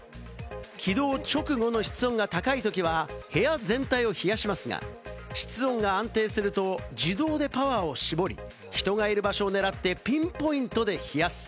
起動直後の室温が高いときは部屋全体を冷やしますが、室温が安定すると自動でパワーを絞り、人がいる場所を狙ってピンポイントで冷やす。